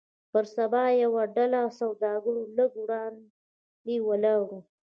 پر سبا يوه ډله سوداګر لږ وړاندې ولاړ وو.